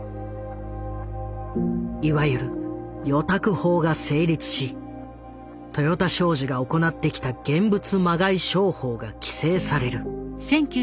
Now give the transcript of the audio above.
いわゆる「預託法」が成立し豊田商事が行ってきた「現物まがい商法」が規制される。